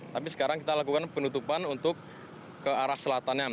tapi sekarang kita lakukan penutupan untuk ke arah selatannya